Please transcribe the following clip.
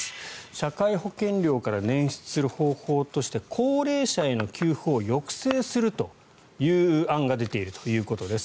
社会保険料から捻出する方法として高齢者への給付を抑制するという案が出ているということです。